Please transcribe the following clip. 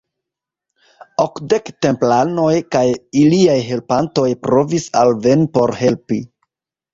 Okdek templanoj kaj iliaj helpantoj provis alveni por helpi.